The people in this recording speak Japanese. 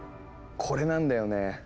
これなんだよね。